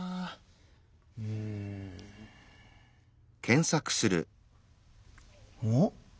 うん。おっ！